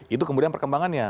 itu kemudian perkembangannya